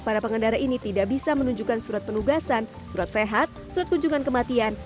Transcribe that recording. para pengendara ini tidak bisa menunjukkan surat penugasan surat sehat surat kunjungan kematian